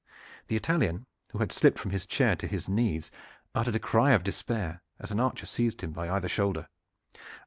The Italian, who had slipped from his chair to his knees, uttered a cry of despair, as an archer seized him by either shoulder.